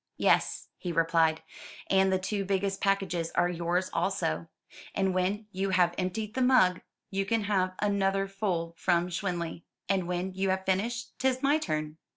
"Yes," he replied, "and the two biggest packages are yours also; and when you have emptied the mug, you can have another full from Schwanli; and when you have finished 'tis my turn."